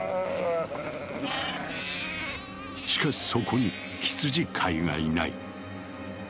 しかしそこに羊飼いがいない。